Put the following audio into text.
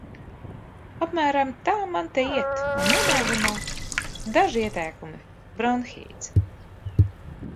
Apmēram tā man te iet, un nobeigumā – daži ieteikumi:Bron-Hīts.